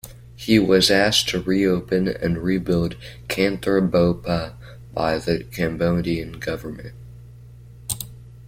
He was asked to re-open and re-build Kantha Bopha by the Cambodian government.